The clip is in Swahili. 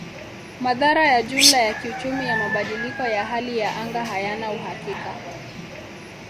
Madhara ya jumla ya kiuchumi ya mabadiliko ya hali ya anga hayana uhakika.